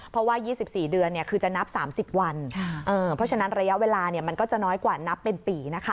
เพราะว่า๒๔เดือนคือจะนับ๓๐วันเพราะฉะนั้นระยะเวลามันก็จะน้อยกว่านับเป็นปีนะคะ